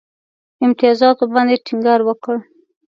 امتیازاتو باندي ټینګار وکړ.